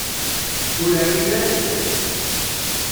Ur rrin ara ddhen.